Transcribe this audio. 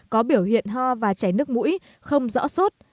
có biểu hiện ho và chảy nước mũi không rõ sốt